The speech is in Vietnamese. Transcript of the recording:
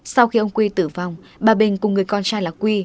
sau khi ông q tử vong bà bình cùng người con trai là q